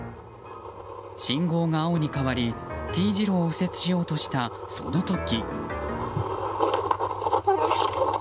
信号が青に変わり、Ｔ字路を右折しようとした、その時。